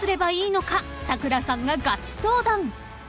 ［咲楽さんががち相談］